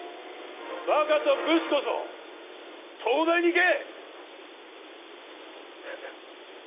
バカとブスこそ東大に行け！